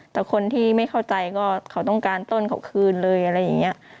แต่คนที่ไม่เข้าใจก็เขาต้องการต้นเขาคืนเลยอะไรอย่างนี้